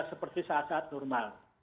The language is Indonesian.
seperti saat saat normal